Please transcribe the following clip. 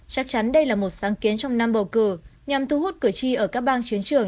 chắc chắn đây là một sáng kiến trong năm bầu cử nhằm thu hút cửa chi ở các bang chiến trưởng